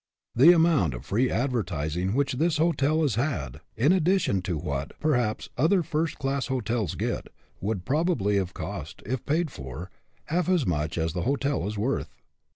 The amount of free advertising which this hotel has had, in addition to what, perhaps, other first class hotels get, would probably have cost, if paid for, half as much as the hotel is worth.